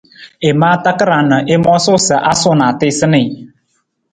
I maa takarang na i moosu sa a suu na a tiisa nii.